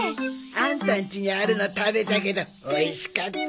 アンタんちにあるの食べたけどおいしかった。